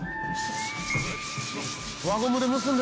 「輪ゴムで結んでる」